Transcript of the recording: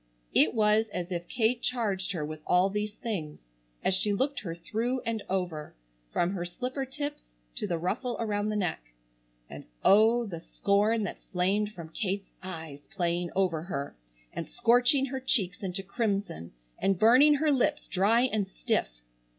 It was as if Kate charged her with all these things, as she looked her through and over, from her slipper tips to the ruffle around the neck. And oh, the scorn that flamed from Kate's eyes playing over her, and scorching her cheeks into crimson, and burning her lips dry and stiff!